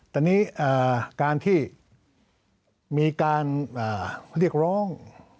ตอนนี้การที่มีการเรียกร้อง